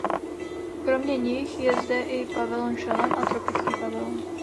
Kromě nich je zde i "Pavilon šelem" a "Tropický pavilón".